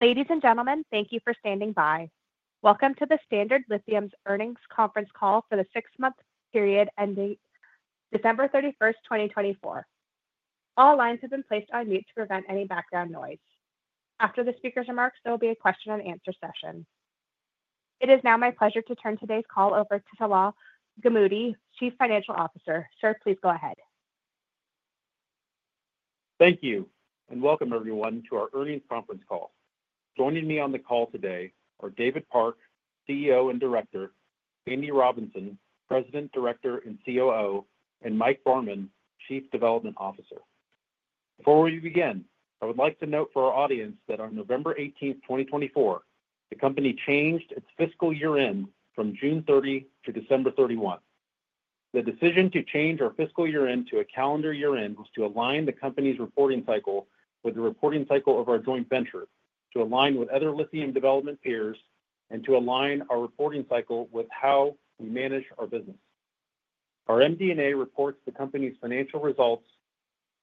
Ladies and gentlemen, thank you for standing by. Welcome to the Standard Lithium's Earnings Conference Call for the six-month period ending December 31, 2024. All lines have been placed on mute to prevent any background noise. After the speaker's remarks, there will be a question-and-answer session. It is now my pleasure to turn today's call over to Salah Gamoudi, Chief Financial Officer. Sir, please go ahead. Thank you, and welcome everyone to our earnings conference call. Joining me on the call today are David Park, CEO and Director; Andy Robinson, President, Director, and COO; and Mike Barman, Chief Development Officer. Before we begin, I would like to note for our audience that on November 18th, 2024, the company changed its fiscal year-end from June 30 to December 31. The decision to change our fiscal year-end to a calendar year-end was to align the company's reporting cycle with the reporting cycle of our joint ventures, to align with other lithium development peers, and to align our reporting cycle with how we manage our business. Our MD&A reports the company's financial results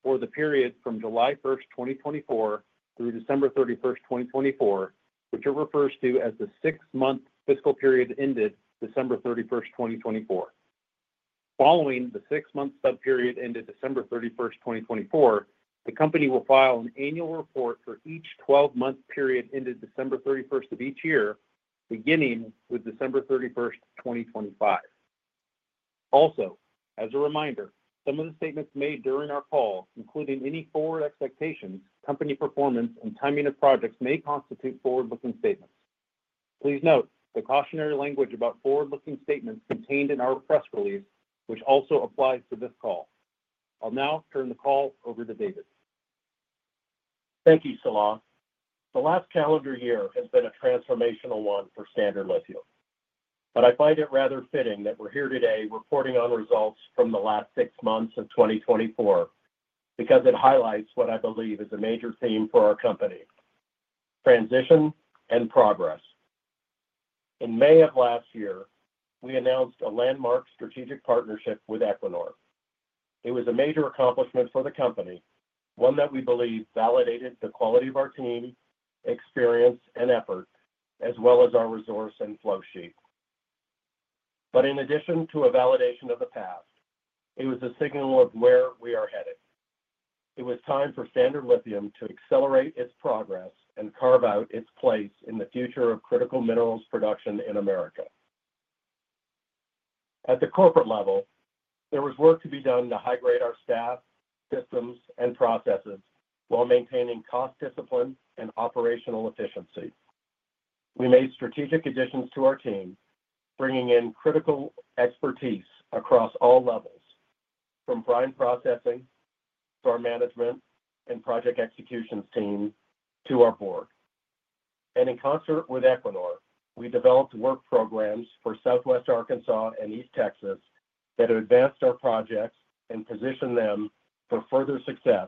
for the period from July 1st, 2024, through December 31st, 2024, which it refers to as the six-month fiscal period ended December 31st, 2024. Following the six-month sub-period ended December 31, 2024, the company will file an annual report for each 12-month period ended December 31 of each year, beginning with December 31, 2025. Also, as a reminder, some of the statements made during our call, including any forward expectations, company performance, and timing of projects, may constitute forward-looking statements. Please note the cautionary language about forward-looking statements contained in our press release, which also applies to this call. I'll now turn the call over to David. Thank you, Salah. The last calendar year has been a transformational one for Standard Lithium, but I find it rather fitting that we're here today reporting on results from the last six months of 2024 because it highlights what I believe is a major theme for our company: transition and progress. In May of last year, we announced a landmark strategic partnership with Equinor. It was a major accomplishment for the company, one that we believe validated the quality of our team, experience, and effort, as well as our resource and flowsheet. In addition to a validation of the past, it was a signal of where we are headed. It was time for Standard Lithium to accelerate its progress and carve out its place in the future of critical minerals production in America. At the corporate level, there was work to be done to high-grade our staff, systems, and processes while maintaining cost discipline and operational efficiency. We made strategic additions to our team, bringing in critical expertise across all levels, from brine processing to our management and project executions team to our board. In concert with Equinor, we developed work programs for Southwest Arkansas and East Texas that advanced our projects and positioned them for further success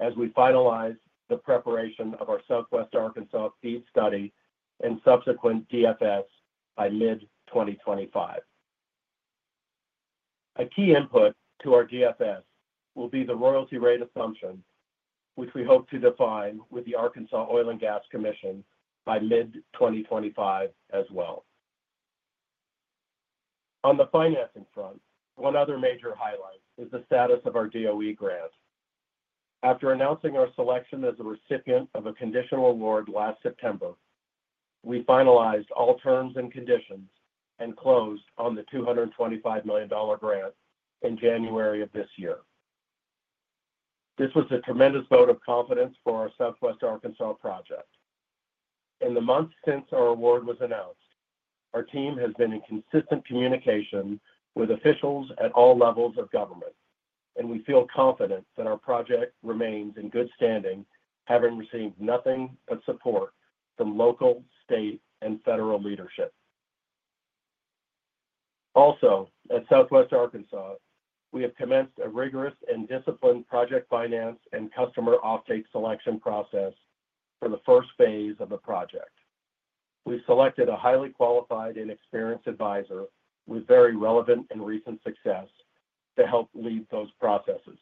as we finalize the preparation of our Southwest Arkansas FEED study and subsequent DFS by mid-2025. A key input to our DFS will be the royalty rate assumption, which we hope to define with the Arkansas Oil and Gas Commission by mid-2025 as well. On the financing front, one other major highlight is the status of our DOE grant. After announcing our selection as a recipient of a conditional award last September, we finalized all terms and conditions and closed on the $225 million grant in January of this year. This was a tremendous vote of confidence for our Southwest Arkansas project. In the months since our award was announced, our team has been in consistent communication with officials at all levels of government, and we feel confident that our project remains in good standing, having received nothing but support from local, state, and federal leadership. Also, at Southwest Arkansas, we have commenced a rigorous and disciplined project finance and customer offtake selection process for the first phase of the project. We've selected a highly qualified and experienced advisor with very relevant and recent success to help lead those processes.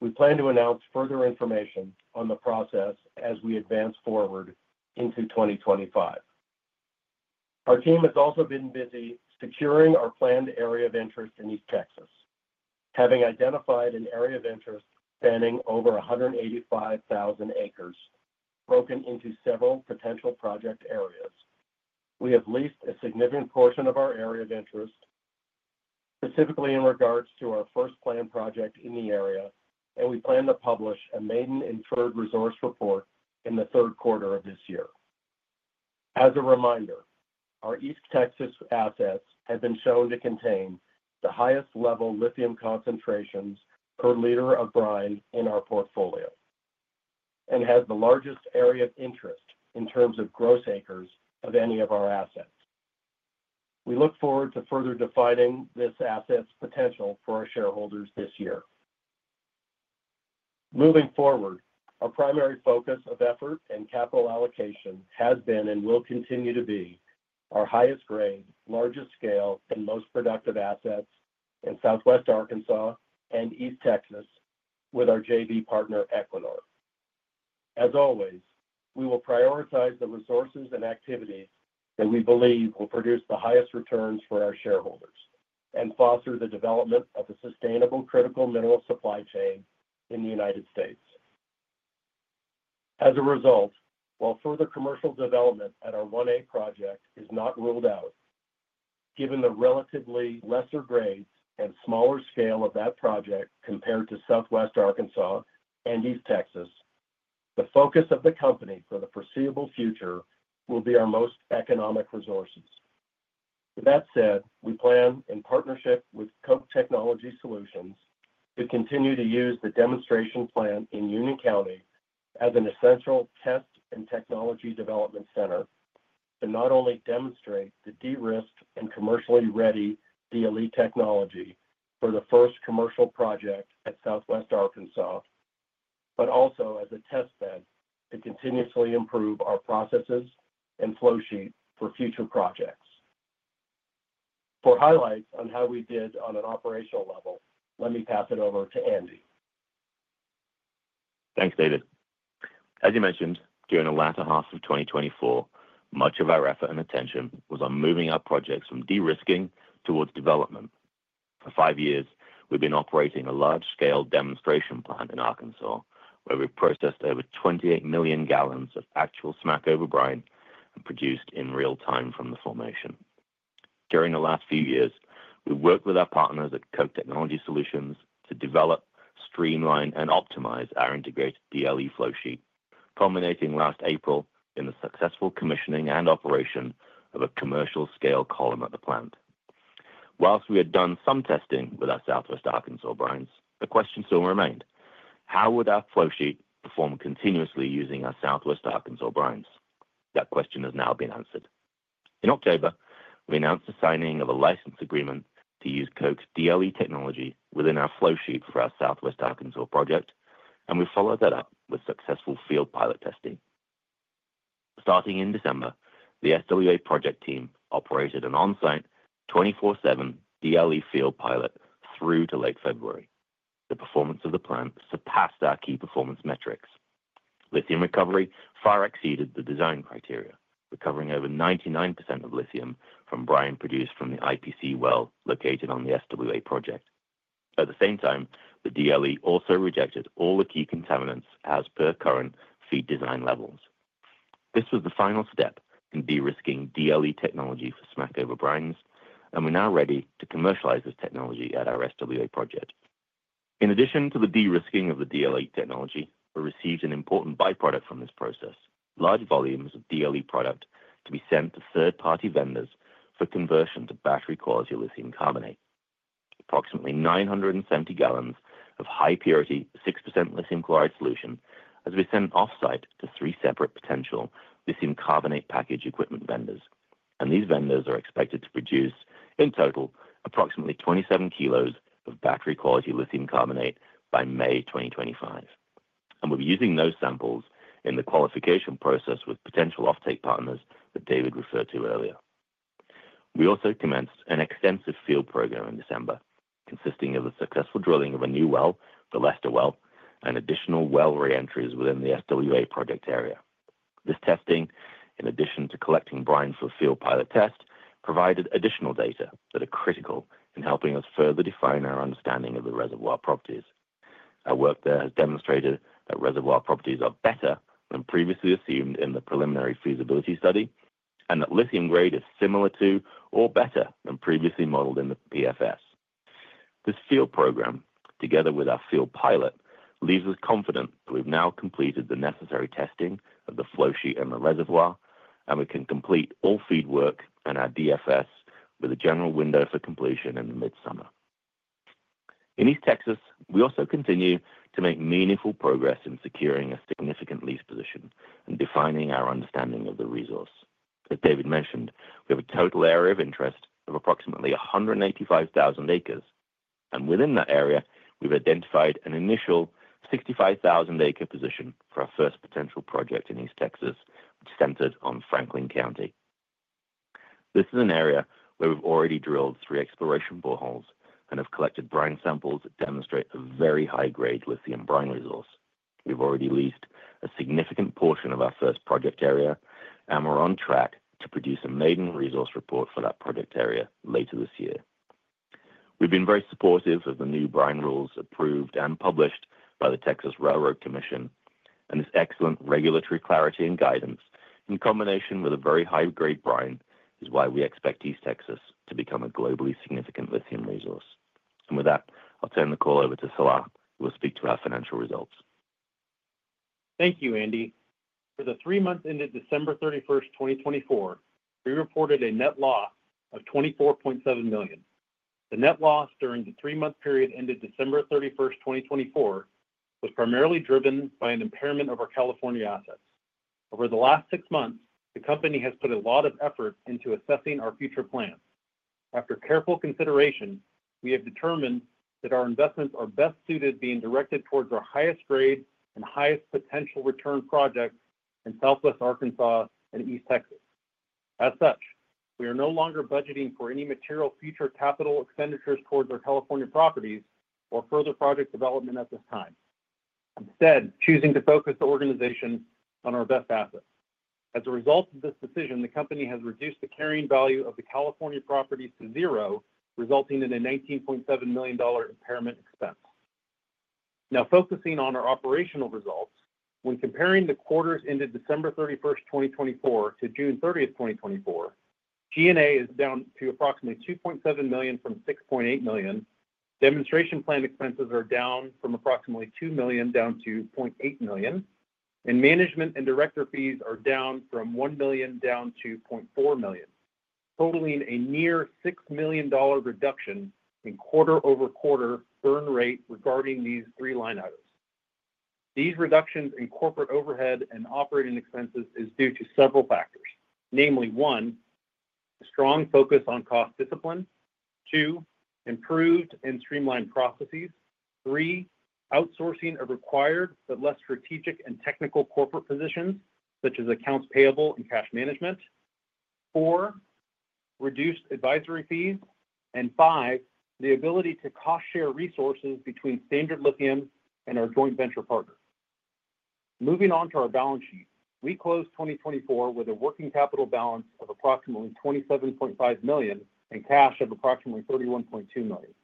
We plan to announce further information on the process as we advance forward into 2025. Our team has also been busy securing our planned area of interest in East Texas, having identified an area of interest spanning over 185,000 acres, broken into several potential project areas. We have leased a significant portion of our area of interest, specifically in regards to our first planned project in the area, and we plan to publish a maiden inferred resource report in the third quarter of this year. As a reminder, our East Texas assets have been shown to contain the highest level lithium concentrations per liter of brine in our portfolio and have the largest area of interest in terms of gross acres of any of our assets. We look forward to further defining this asset's potential for our shareholders this year. Moving forward, our primary focus of effort and capital allocation has been and will continue to be our highest grade, largest scale, and most productive assets in Southwest Arkansas and East Texas with our JV partner, Equinor. As always, we will prioritize the resources and activities that we believe will produce the highest returns for our shareholders and foster the development of a sustainable critical mineral supply chain in the United States. As a result, while further commercial development at our 1A project is not ruled out, given the relatively lesser grades and smaller scale of that project compared to Southwest Arkansas and East Texas, the focus of the company for the foreseeable future will be our most economic resources. That said, we plan, in partnership with Koch Technology Solutions, to continue to use the demonstration plant in Union County as an essential test and technology development center to not only demonstrate the de-risked and commercially ready DLE technology for the first commercial project at Southwest Arkansas, but also as a test bed to continuously improve our processes and flowsheet for future projects. For highlights on how we did on an operational level, let me pass it over to Andy. Thanks, David. As you mentioned, during the latter half of 2024, much of our effort and attention was on moving our projects from de-risking towards development. For five years, we've been operating a large-scale demonstration plant in Arkansas, where we processed over 28 million gallons of actual Smackover brine and produced in real time from the formation. During the last few years, we've worked with our partners at Koch Technology Solutions to develop, streamline, and optimize our integrated DLE flowsheet, culminating last April in the successful commissioning and operation of a commercial-scale column at the plant. Whilst we had done some testing with our Southwest Arkansas brines, a question still remained: how would our flowsheet perform continuously using our Southwest Arkansas brines? That question has now been answered. In October, we announced the signing of a license agreement to use Koch DLE technology within our flowsheet for our Southwest Arkansas project, and we followed that up with successful field pilot testing. Starting in December, the SWA project team operated an on-site 24/7 DLE field pilot through to late February. The performance of the plant surpassed our key performance metrics. Lithium recovery far exceeded the design criteria, recovering over 99% of lithium from brine produced from the IPC well located on the SWA project. At the same time, the DLE also rejected all the key contaminants as per current feed design levels. This was the final step in de-risking DLE technology for Smackover brines, and we're now ready to commercialize this technology at our SWA project. In addition to the de-risking of the DLE technology, we received an important byproduct from this process: large volumes of DLE product to be sent to third-party vendors for conversion to battery-quality lithium carbonate. Approximately 970 gallons of high-purity, 6% lithium chloride solution has been sent off-site to three separate potential lithium carbonate package equipment vendors, and these vendors are expected to produce, in total, approximately 27 kilos of battery-quality lithium carbonate by May 2025. We will be using those samples in the qualification process with potential offtake partners that David referred to earlier. We also commenced an extensive field program in December, consisting of the successful drilling of a new well, the Lester Well, and additional well re-entries within the SWA project area. This testing, in addition to collecting brine for a field pilot test, provided additional data that are critical in helping us further define our understanding of the reservoir properties. Our work there has demonstrated that reservoir properties are better than previously assumed in the preliminary feasibility study and that lithium grade is similar to or better than previously modeled in the PFS. This field program, together with our field pilot, leaves us confident that we've now completed the necessary testing of the flowsheet and the reservoir, and we can complete all FEED work and our DFS with a general window for completion in the mid-summer. In East Texas, we also continue to make meaningful progress in securing a significant lease position and defining our understanding of the resource. As David mentioned, we have a total area of interest of approximately 185,000 acres, and within that area, we've identified an initial 65,000-acre position for our first potential project in East Texas, which is centered on Franklin County. This is an area where we've already drilled three exploration boreholes and have collected brine samples that demonstrate a very high-grade lithium brine resource. We've already leased a significant portion of our first project area and we're on track to produce a maiden resource report for that project area later this year. We've been very supportive of the new brine rules approved and published by the Texas Railroad Commission, and this excellent regulatory clarity and guidance, in combination with a very high-grade brine, is why we expect East Texas to become a globally significant lithium resource. With that, I'll turn the call over to Salah, who will speak to our financial results. Thank you, Andy. For the three months ended December 31, 2024, we reported a net loss of $24.7 million. The net loss during the three-month period ended December 31, 2024, was primarily driven by an impairment of our California assets. Over the last six months, the company has put a lot of effort into assessing our future plans. After careful consideration, we have determined that our investments are best suited to being directed towards our highest grade and highest potential return projects in Southwest Arkansas and East Texas. As such, we are no longer budgeting for any material future capital expenditures towards our California properties or further project development at this time, instead choosing to focus the organization on our best assets. As a result of this decision, the company has reduced the carrying value of the California properties to zero, resulting in a $19.7 million impairment expense. Now, focusing on our operational results, when comparing the quarters ended December 31, 2024, to June 30, 2024, G&A is down to approximately $2.7 million from $6.8 million. Demonstration plant expenses are down from approximately $2 million down to $0.8 million, and management and director fees are down from $1 million down to $0.4 million, totaling a near $6 million reduction in quarter-over-quarter burn rate regarding these three line items. These reductions in corporate overhead and operating expenses are due to several factors, namely, one, a strong focus on cost discipline; two, improved and streamlined processes; three, outsourcing of required but less strategic and technical corporate positions, such as accounts payable and cash management; four, reduced advisory fees; and five, the ability to cost-share resources between Standard Lithium and our joint venture partner. Moving on to our balance sheet, we closed 2024 with a working capital balance of approximately $27.5 million and cash of approximately $31.2 million.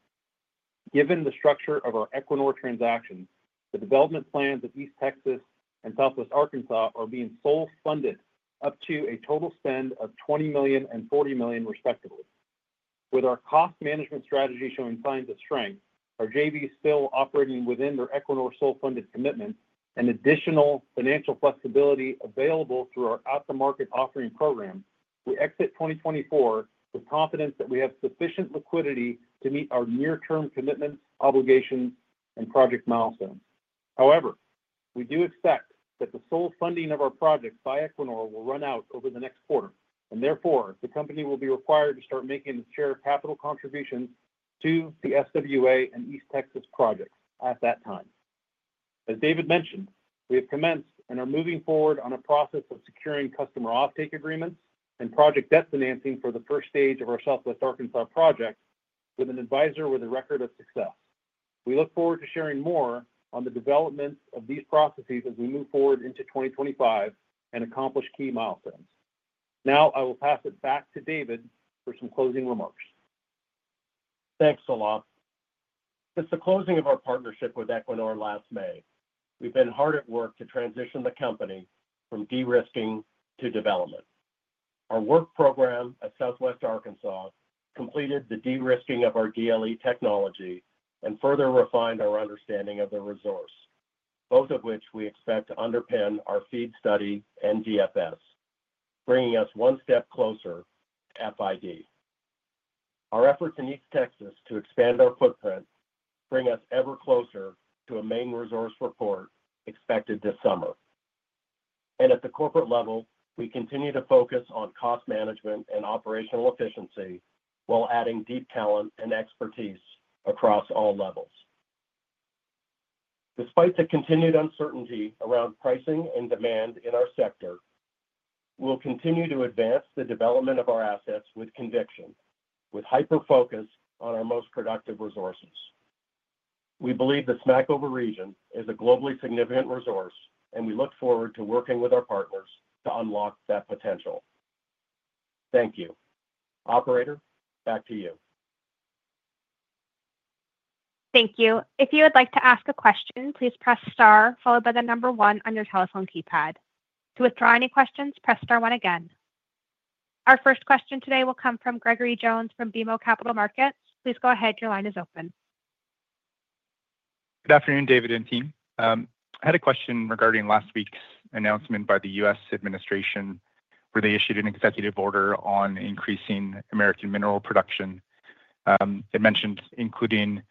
Given the structure of our Equinor transactions, the development plans of East Texas and Southwest Arkansas are being sole-funded up to a total spend of $20 million and $40 million, respectively. With our cost management strategy showing signs of strength, our JV is still operating within their Equinor sole-funded commitment and additional financial flexibility available through our at-the-market offering program. We exit 2024 with confidence that we have sufficient liquidity to meet our near-term commitments, obligations, and project milestones. However, we do expect that the sole funding of our projects by Equinor will run out over the next quarter, and therefore, the company will be required to start making its share of capital contributions to the Southwest Arkansas and East Texas projects at that time. As David mentioned, we have commenced and are moving forward on a process of securing customer offtake agreements and project debt financing for the first stage of our Southwest Arkansas project with an advisor with a record of success. We look forward to sharing more on the development of these processes as we move forward into 2025 and accomplish key milestones. Now, I will pass it back to David for some closing remarks. Thanks, Salah. Since the closing of our partnership with Equinor last May, we've been hard at work to transition the company from de-risking to development. Our work program at Southwest Arkansas completed the de-risking of our DLE technology and further refined our understanding of the resource, both of which we expect to underpin our FEED study and DFS, bringing us one step closer to FID. Our efforts in East Texas to expand our footprint bring us ever closer to a main resource report expected this summer. At the corporate level, we continue to focus on cost management and operational efficiency while adding deep talent and expertise across all levels. Despite the continued uncertainty around pricing and demand in our sector, we'll continue to advance the development of our assets with conviction, with hyper-focus on our most productive resources. We believe the Smackover region is a globally significant resource, and we look forward to working with our partners to unlock that potential. Thank you. Operator, back to you. Thank you. If you would like to ask a question, please press star, followed by the number one on your telephone keypad. To withdraw any questions, press star one again. Our first question today will come from Gregory Jones from BMO Capital Markets. Please go ahead. Your line is open. Good afternoon, David and team. I had a question regarding last week's announcement by the U.S. administration where they issued an executive order on increasing American mineral production. It mentioned including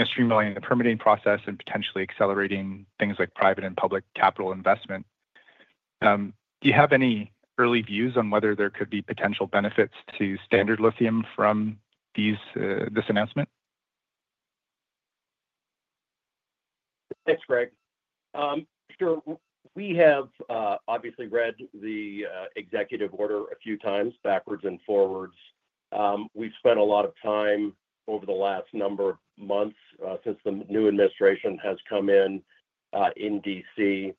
streamlining the permitting process and potentially accelerating things like private and public capital investment. Do you have any early views on whether there could be potential benefits to Standard Lithium from this announcement? Thanks, Greg. Sure. We have obviously read the executive order a few times, backwards and forwards. We've spent a lot of time over the last number of months since the new administration has come in in D.C.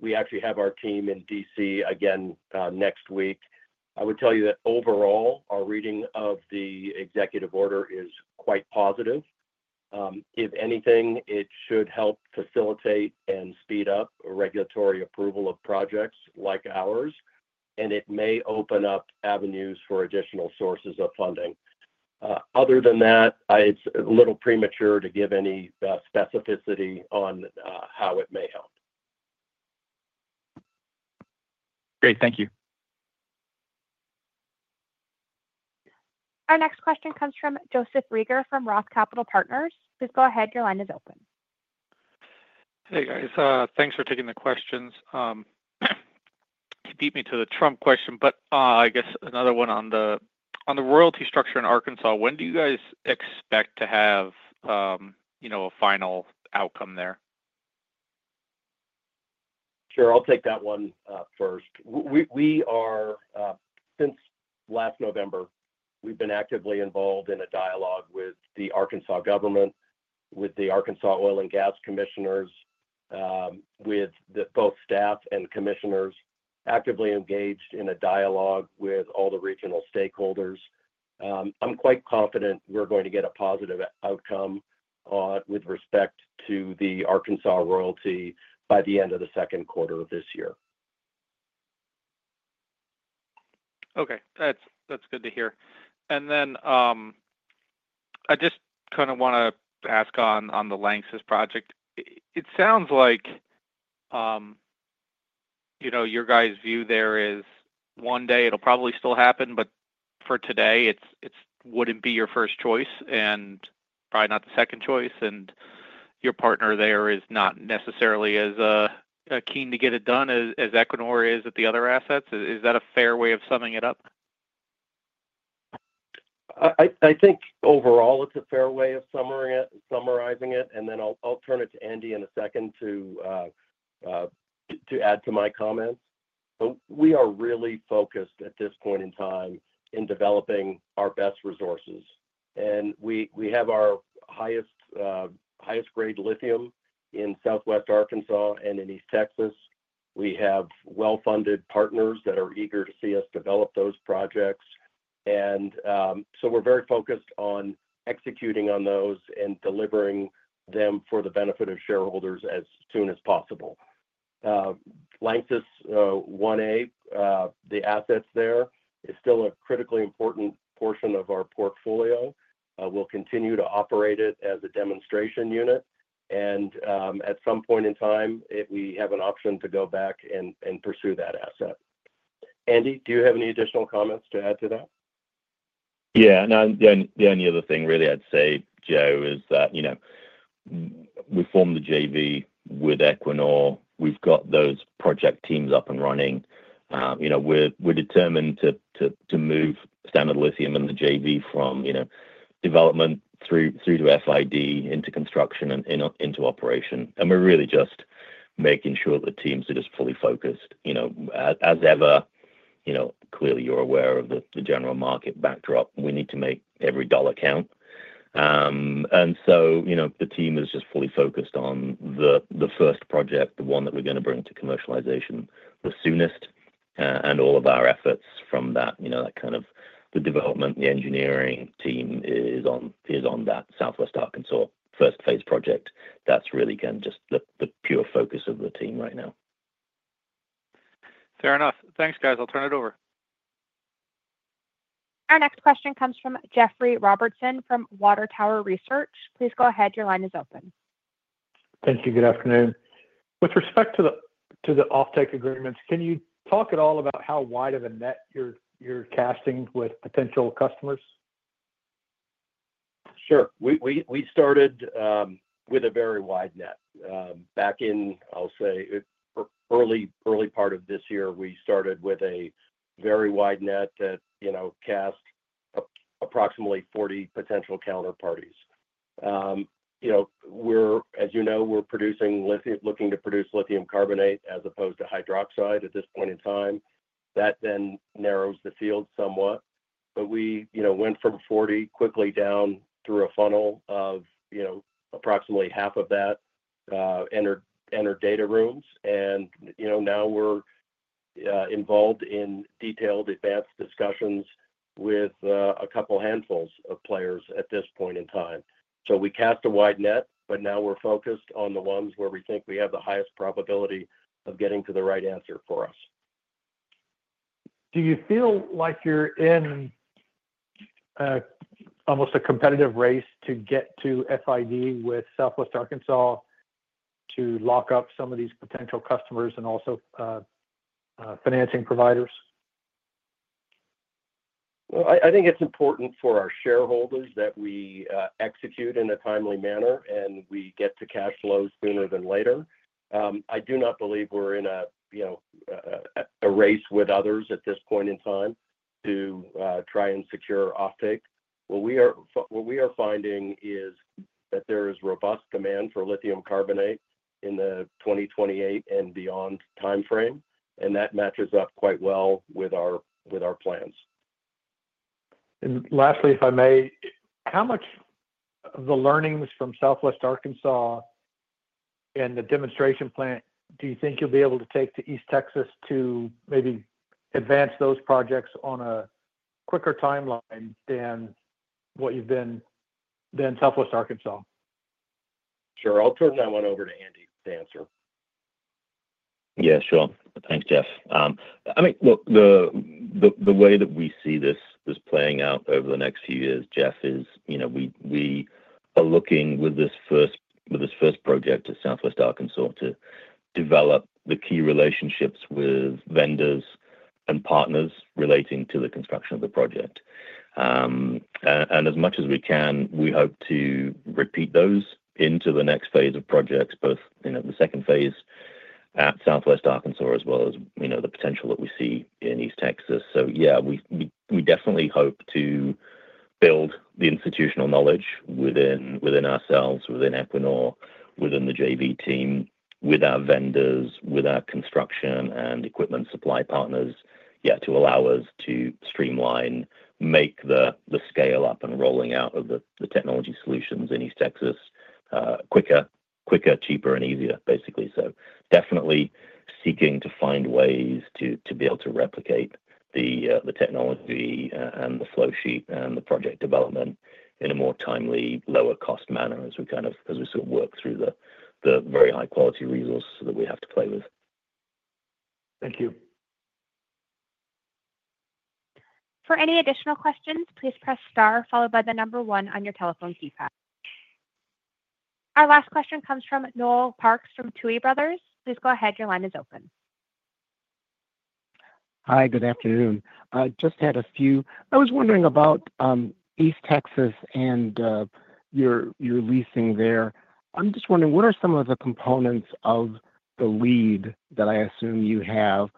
We actually have our team in D.C. again next week. I would tell you that overall, our reading of the executive order is quite positive. If anything, it should help facilitate and speed up regulatory approval of projects like ours, and it may open up avenues for additional sources of funding. Other than that, it's a little premature to give any specificity on how it may help. Great. Thank you. Our next question comes from Joseph Reagor from Roth Capital Partners. Please go ahead. Your line is open. Hey, guys. Thanks for taking the questions. It's deeply to the Trump question, but I guess another one on the royalty structure in Arkansas. When do you guys expect to have a final outcome there? Sure. I'll take that one first. Since last November, we've been actively involved in a dialogue with the Arkansas government, with the Arkansas Oil and Gas Commission, with both staff and commissioners, actively engaged in a dialogue with all the regional stakeholders. I'm quite confident we're going to get a positive outcome with respect to the Arkansas royalty by the end of the second quarter of this year. Okay. That's good to hear. I just kind of want to ask on the LANXESS project. It sounds like your guys' view there is one day it'll probably still happen, but for today, it wouldn't be your first choice and probably not the second choice. Your partner there is not necessarily as keen to get it done as Equinor is at the other assets. Is that a fair way of summing it up? I think overall, it's a fair way of summarizing it. I'll turn it to Andy in a second to add to my comments. We are really focused at this point in time on developing our best resources. We have our highest-grade lithium in Southwest Arkansas and in East Texas. We have well-funded partners that are eager to see us develop those projects. We are very focused on executing on those and delivering them for the benefit of shareholders as soon as possible. LANXESS 1A, the assets there, is still a critically important portion of our portfolio. We'll continue to operate it as a demonstration unit. At some point in time, if we have an option to go back and pursue that asset. Andy, do you have any additional comments to add to that? Yeah. The only other thing, really, I'd say, Joe, is that we formed the JV with Equinor. We've got those project teams up and running. We're determined to move Standard Lithium and the JV from development through to FID into construction and into operation. We're really just making sure that the teams are just fully focused. As ever, clearly, you're aware of the general market backdrop. We need to make every dollar count. The team is just fully focused on the first project, the one that we're going to bring to commercialization the soonest. All of our efforts from that kind of the development, the engineering team is on that Southwest Arkansas first phase project. That's really kind of just the pure focus of the team right now. Fair enough. Thanks, guys. I'll turn it over. Our next question comes from Jeffrey Robertson from Water Tower Research. Please go ahead. Your line is open. Thank you. Good afternoon. With respect to the offtake agreements, can you talk at all about how wide of a net you're casting with potential customers? Sure. We started with a very wide net. Back in, I'll say, early part of this year, we started with a very wide net that cast approximately 40 potential counterparties. As you know, we're looking to produce lithium carbonate as opposed to hydroxide at this point in time. That then narrows the field somewhat. We went from 40 quickly down through a funnel of approximately half of that entered data rooms. Now we're involved in detailed advanced discussions with a couple handfuls of players at this point in time. We cast a wide net, but now we're focused on the ones where we think we have the highest probability of getting to the right answer for us. Do you feel like you're in almost a competitive race to get to FID with Southwest Arkansas to lock up some of these potential customers and also financing providers? I think it's important for our shareholders that we execute in a timely manner and we get to cash flow sooner than later. I do not believe we're in a race with others at this point in time to try and secure offtake. What we are finding is that there is robust demand for lithium carbonate in the 2028 and beyond timeframe. That matches up quite well with our plans. Lastly, if I may, how much of the learnings from Southwest Arkansas and the demonstration plant do you think you'll be able to take to East Texas to maybe advance those projects on a quicker timeline than Southwest Arkansas? Sure. I'll turn that one over to Andy to answer. Yeah, sure. Thanks, Jeff. I mean, the way that we see this playing out over the next few years, Jeff, is we are looking with this first project to Southwest Arkansas to develop the key relationships with vendors and partners relating to the construction of the project. As much as we can, we hope to repeat those into the next phase of projects, both in the second phase at Southwest Arkansas as well as the potential that we see in East Texas. Yeah, we definitely hope to build the institutional knowledge within ourselves, within Equinor, within the JV team, with our vendors, with our construction and equipment supply partners, yeah, to allow us to streamline, make the scale-up and rolling out of the technology solutions in East Texas quicker, cheaper, and easier, basically. Definitely seeking to find ways to be able to replicate the technology and the flowsheet and the project development in a more timely, lower-cost manner as we sort of work through the very high-quality resources that we have to play with. Thank you. For any additional questions, please press star, followed by the number one on your telephone keypad. Our last question comes from Noel Parks from Tuohy Brothers. Please go ahead. Your line is open. Hi, good afternoon. I just had a few. I was wondering about East Texas and your leasing there. I'm just wondering, what are some of the components of the lead that I assume you have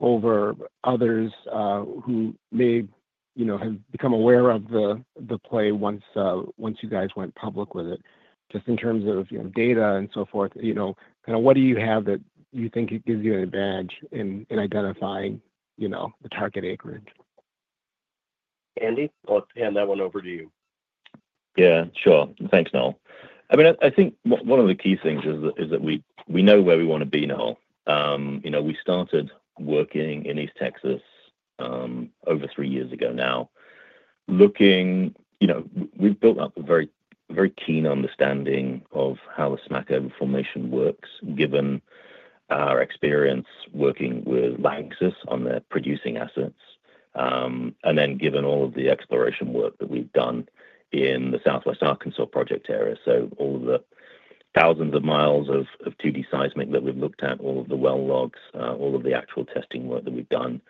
over others who may have become aware of the play once you guys went public with it? Just in terms of data and so forth, kind of what do you have that you think gives you an advantage in identifying the target acreage? Andy, I'll hand that one over to you. Yeah, sure. Thanks, Noel. I mean, I think one of the key things is that we know where we want to be, Noel. We started working in East Texas over three years ago now. We've built up a very keen understanding of how the Smackover Formation works, given our experience working with LANXESS on their producing assets, and then given all of the exploration work that we've done in the Southwest Arkansas project area. All of the thousands of miles of 2D seismic that we've looked at, all of the well logs, all of the actual testing work that we've done.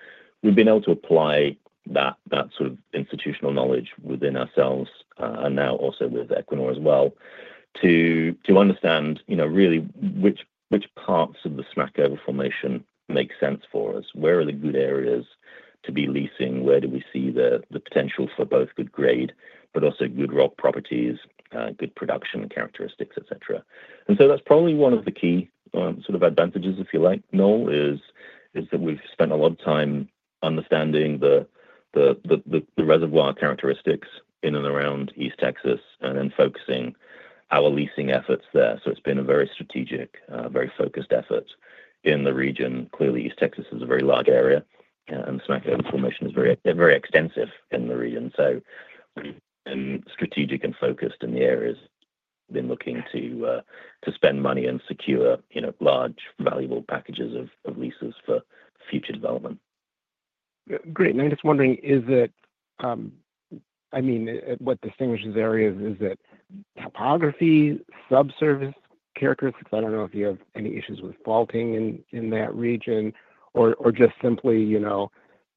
We've been able to apply that sort of institutional knowledge within ourselves and now also with Equinor as well to understand really which parts of the Smackover Formation make sense for us. Where are the good areas to be leasing? Where do we see the potential for both good grade, but also good rock properties, good production characteristics, etc.? That is probably one of the key sort of advantages, if you like, Noel, is that we've spent a lot of time understanding the reservoir characteristics in and around East Texas and then focusing our leasing efforts there. It has been a very strategic, very focused effort in the region. Clearly, East Texas is a very large area, and the Smackover Formation is very extensive in the region. We have been strategic and focused in the areas. We have been looking to spend money and secure large, valuable packages of leases for future development. Great. I'm just wondering, I mean, what distinguishes areas? Is that topography, subsurface characteristics? I don't know if you have any issues with faulting in that region or just simply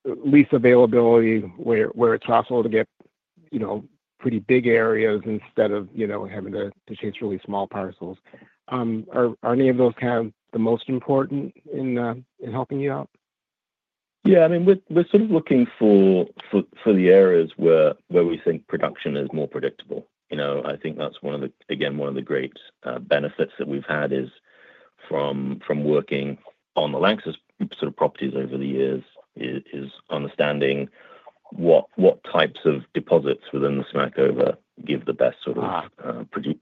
lease availability where it's possible to get pretty big areas instead of having to chase really small parcels. Are any of those kind of the most important in helping you out? Yeah. I mean, we're sort of looking for the areas where we think production is more predictable. I think that's one of the, again, one of the great benefits that we've had from working on the LANXESS sort of properties over the years is understanding what types of deposits within the Smackover give the best sort of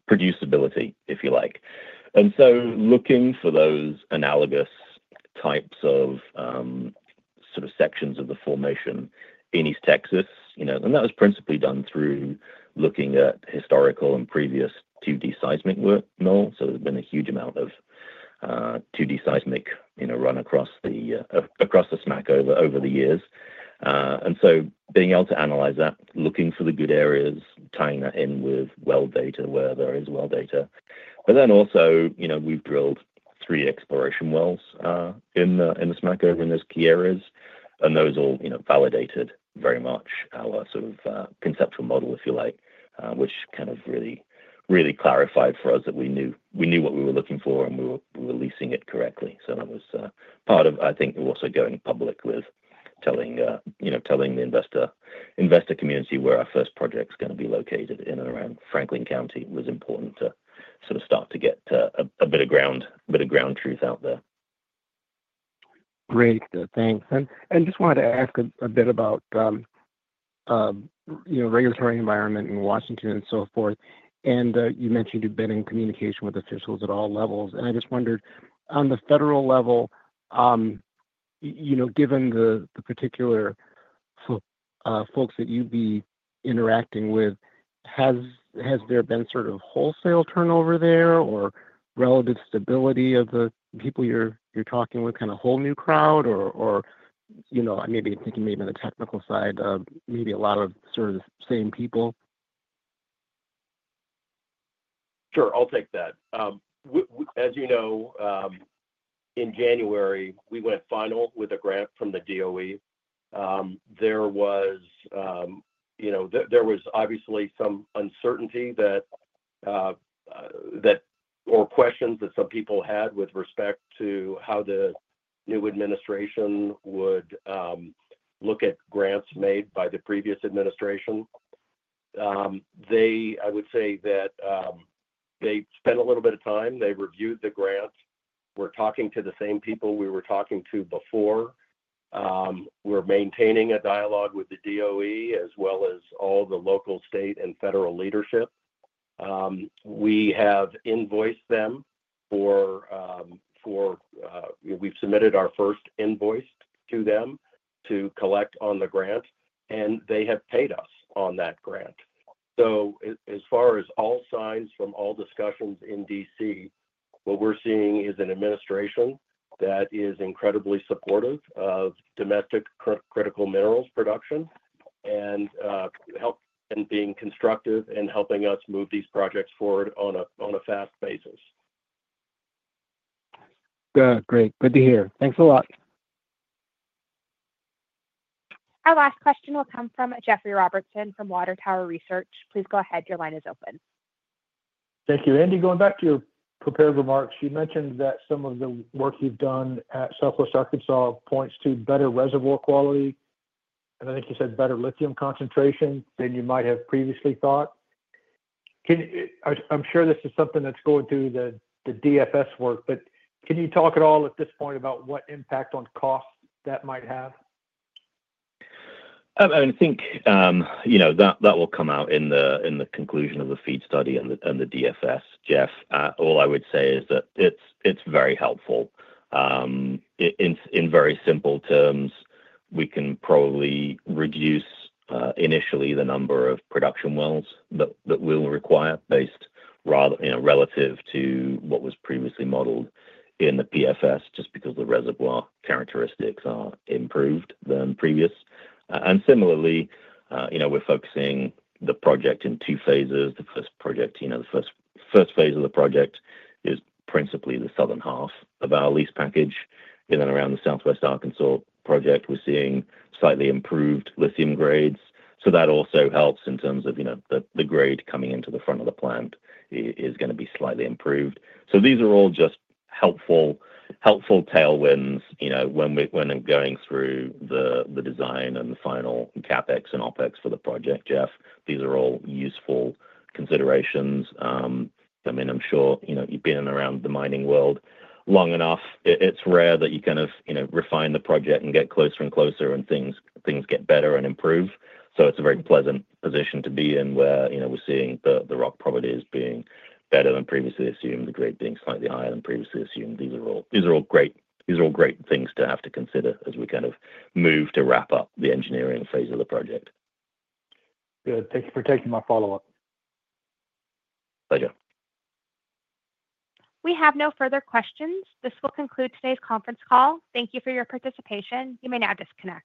producibility, if you like. I mean, looking for those analogous types of sort of sections of the formation in East Texas. That was principally done through looking at historical and previous 2D seismic work, Noel. There's been a huge amount of 2D seismic run across the Smackover over the years. Being able to analyze that, looking for the good areas, tying that in with well data where there is well data. We've drilled three exploration wells in the Smackover in those key areas. Those all validated very much our sort of conceptual model, if you like, which kind of really clarified for us that we knew what we were looking for and we were leasing it correctly. That was part of, I think, also going public with telling the investor community where our first project's going to be located in and around Franklin County was important to sort of start to get a bit of ground truth out there. Great. Thanks. I just wanted to ask a bit about the regulatory environment in Washington and so forth. You mentioned you've been in communication with officials at all levels. I just wondered, on the federal level, given the particular folks that you'd be interacting with, has there been sort of wholesale turnover there or relative stability of the people you're talking with, kind of whole new crowd? Or maybe thinking maybe on the technical side, maybe a lot of sort of the same people? Sure. I'll take that. As you know, in January, we went final with a grant from the DOE. There was obviously some uncertainty or questions that some people had with respect to how the new administration would look at grants made by the previous administration. I would say that they spent a little bit of time. They reviewed the grant. We're talking to the same people we were talking to before. We're maintaining a dialogue with the DOE as well as all the local, state, and federal leadership. We have invoiced them for we've submitted our first invoice to them to collect on the grant, and they have paid us on that grant. As far as all signs from all discussions in D.C., what we're seeing is an administration that is incredibly supportive of domestic critical minerals production and being constructive in helping us move these projects forward on a fast basis. Great. Good to hear. Thanks a lot. Our last question will come from Jeffrey Robertson from Water Tower Research. Please go ahead. Your line is open. Thank you. Andy, going back to your prepared remarks, you mentioned that some of the work you've done at Southwest Arkansas points to better reservoir quality. I think you said better lithium concentration than you might have previously thought. I'm sure this is something that's going through the DFS work, but can you talk at all at this point about what impact on costs that might have? I think that will come out in the conclusion of the FEED study and the DFS, Jeff. All I would say is that it's very helpful. In very simple terms, we can probably reduce initially the number of production wells that we'll require based relative to what was previously modeled in the PFS just because the reservoir characteristics are improved than previous. Similarly, we're focusing the project in two phases. The first phase of the project is principally the southern half of our lease package. Around the Southwest Arkansas project, we're seeing slightly improved lithium grades. That also helps in terms of the grade coming into the front of the plant is going to be slightly improved. These are all just helpful tailwinds when I'm going through the design and the final CapEx and OpEx for the project, Jeff. These are all useful considerations. I mean, I'm sure you've been around the mining world long enough. It's rare that you kind of refine the project and get closer and closer and things get better and improve. It's a very pleasant position to be in where we're seeing the rock properties being better than previously assumed, the grade being slightly higher than previously assumed. These are all great things to have to consider as we kind of move to wrap up the engineering phase of the project. Good. Thank you for taking my follow-up. Pleasure. We have no further questions. This will conclude today's conference call. Thank you for your participation. You may now disconnect.